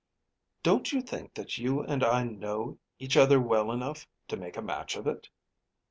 "Don't you think that you and I know each other well enough to make a match of it?"